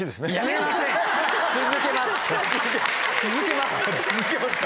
続けますか。